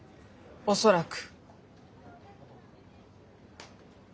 恐らく。